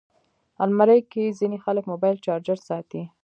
الماري کې ځینې خلک موبایل چارجر ساتي